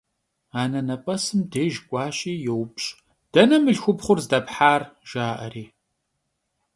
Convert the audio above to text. Anenep'esım dêjj k'uaşi youpş': «Dene mılhxupxhur zdephar?» – jja'eri.